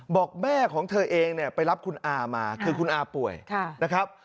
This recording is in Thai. บอกแม่ของเธอเองเนี่ยไปรับคุณอามาคือคุณอาป่วยนะครับ